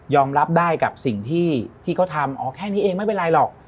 รับได้กับสิ่งที่เขาทำอ๋อแค่นี้เองไม่เป็นไรหรอก